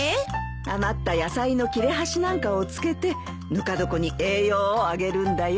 余った野菜の切れ端なんかを漬けてぬか床に栄養をあげるんだよ。